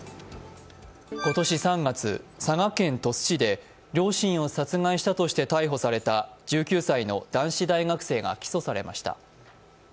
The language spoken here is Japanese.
今年３月、佐賀県鳥栖市で両親を殺害したとして逮捕された１９歳の男子大学生が起訴されました。